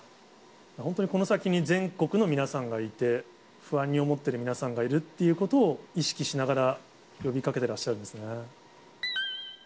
本当にこの先に全国の皆さんがいて、不安に思ってる皆さんがいるっていうことを意識しながら呼びかけすると。